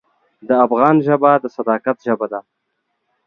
د افغان ژبه د صداقت ژبه ده.